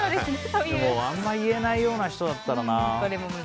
あんま言えないような人だったらな。